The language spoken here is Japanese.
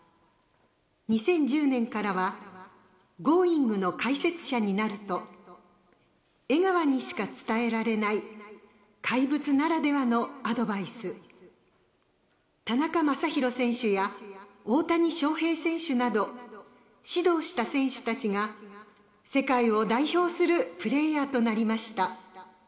２０１０年からは「Ｇｏｉｎｇ！」の解説者になると江川にしか伝えられない怪物ならではのアドバイス田中将大選手や大谷翔平選手など指導した選手たちが世界を代表するプレーヤーとなりました。